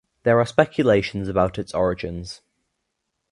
There are speculations about its origins.